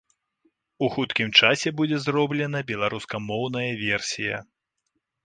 У хуткім часе будзе зроблена беларускамоўная версія.